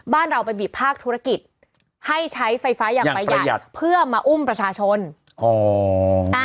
เราไปบีบภาคธุรกิจให้ใช้ไฟฟ้าอย่างประหยัดเพื่อมาอุ้มประชาชนอ๋ออ่า